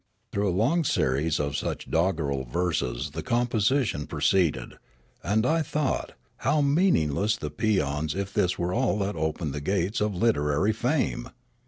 Through a long series of such doggerel verses the composition proceeded ; and I thought, how meaning le.ss the pseans, if this were all that opened the gates of literary Fame